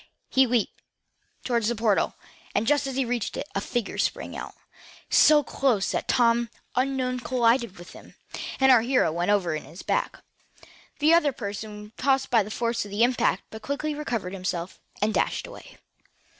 He fairly leaped toward the portal, and, just as he reached it, a figure sprang out. So close was Tom that the unknown collided with him, and our hero went over on his back. The other person was tossed back by the force of the impact, but quickly recovered himself, and dashed away.